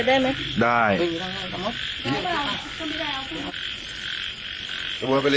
ถุงเท้าขอถุงเท้าผู้หนึ่งค่ะโอ้โห